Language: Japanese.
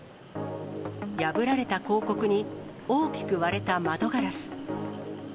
破られた広告に、大きく割れた窓ガラス。